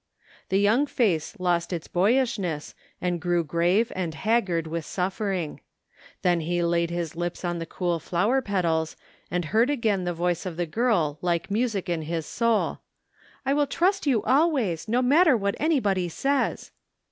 The young face lost its boyishness and grew grave and haggard with suffering. Then he laid his lips on the cool flower petals and heard again the voice of the girl like music in his soul :" I will trust you always, no matter what anybody says